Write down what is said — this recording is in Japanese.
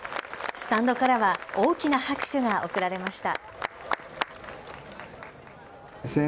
スタンドからは大きな拍手が送られました。